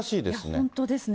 本当ですね。